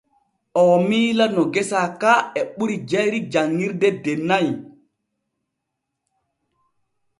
Oo miila no gesa ka e ɓuri jayri janŋirde de nay.